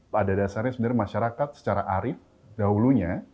pada dasarnya sebenarnya masyarakat secara arif dahulunya